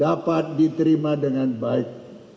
dapat diterima dengan baik